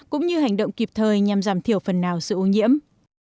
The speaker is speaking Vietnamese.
cũng như hành động kịp thời nhằm giảm thiểu phần nào sự ô nhiễm